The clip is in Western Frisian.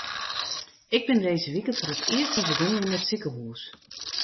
Ik bin dizze wike foar it earst wer begûn yn it sikehús.